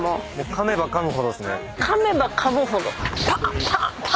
かめばかむほどっすね。